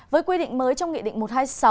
với quy định mới trong nghị định một mươi hai